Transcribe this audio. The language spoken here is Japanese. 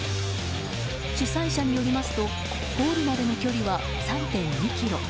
主催者によりますとゴールまでの距離は３．２ｋｍ。